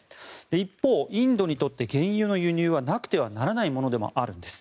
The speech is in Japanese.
一方、インドにとって原油の輸入はなくてはならないものでもあるんです。